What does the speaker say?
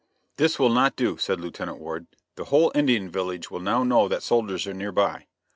"This will not do," said Lieutenant Ward, "the whole Indian village will now know that soldiers are near by.